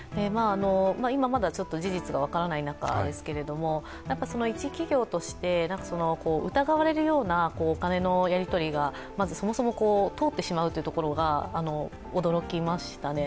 今、まだ事実が分からない中ですけど一企業として、疑われるようなお金のやり取りがそもそも通ってしまうというところが驚きましたね。